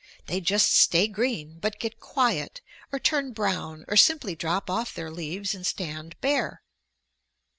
They just stay green, but get quiet or turn brown or simply drop off their leaves and stand bare.